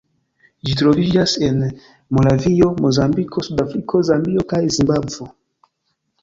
Ĝi troviĝas en Malavio, Mozambiko, Sudafriko, Zambio kaj Zimbabvo.